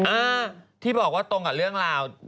เออที่บอกว่าตรงกับเรื่องราว